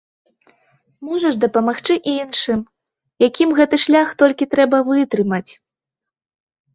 Можам дапамагчы іншым, якім гэты шлях толькі трэба вытрымаць.